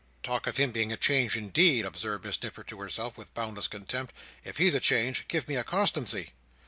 "Talk of him being a change, indeed!" observed Miss Nipper to herself with boundless contempt. "If he's a change, give me a constancy."